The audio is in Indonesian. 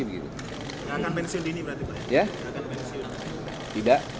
tidak akan pensiun di ini berarti pak